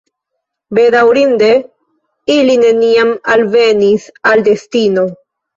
Bedaŭrinde, ili neniam alvenis al destino.